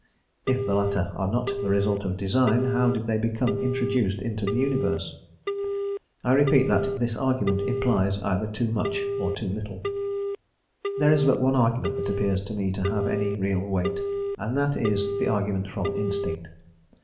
If the latter are not the result of design, how did they become introduced into the universe? I repeat that this argument implies either too much or too little.* * "The Necessary Existence of Deity." There is but one argument that appears to me to have any real weight, and that is the argument from instinct.